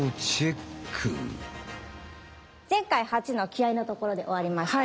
前回８の気合いのところで終わりました。